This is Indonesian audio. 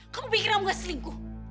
kamu pikir kamu gak selingkuh